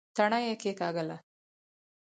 تڼۍ يې کېکاږله.